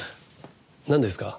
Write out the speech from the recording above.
なんですか？